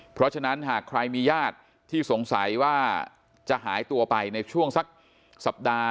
เพราะฉะนั้นหากใครมีญาติที่สงสัยว่าจะหายตัวไปในช่วงสักสัปดาห์